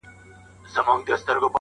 هارون مړ له تــــــنهایي دی په کابل کي